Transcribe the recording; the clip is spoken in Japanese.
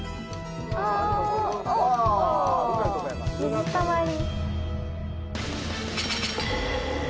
水たまり。